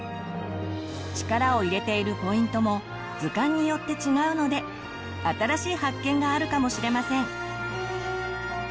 力を入れているポイントも図鑑によって違うので新しい発見があるかもしれません。